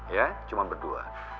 ya cuma berdua